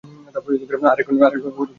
আর এখন, ওর পেছনে লুকাচ্ছিস?